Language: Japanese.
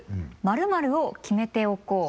「○○を決めておこう！」。